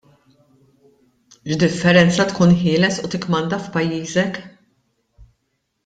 X'differenza tkun ħieles u tikkmanda f'pajjiżek!